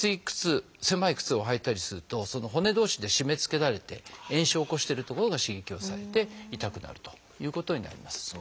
靴狭い靴を履いたりするとその骨同士で締めつけられて炎症を起こしてる所が刺激をされて痛くなるということになります。